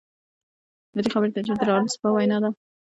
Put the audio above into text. د دې خبرې تشرېح د رالز په وینا ده.